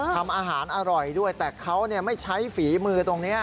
ทำอาหารอร่อยด้วยแต่เขาไม่ใช้ฝีมือตรงนี้